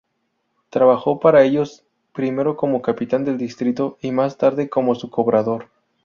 Trabajó para ellos primero como capitán del distrito y más tarde como su cobrador.